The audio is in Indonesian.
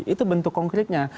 itu bentuk konkretnya